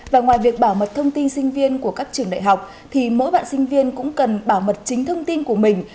và ngoài việc bảo mật thông tin sinh viên của các trường đại học thì mỗi bạn sinh viên cũng cần bảo mật chính thông tin của mình